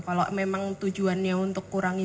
kalau memang tujuannya untuk kurangi